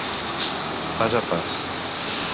Pas a pas.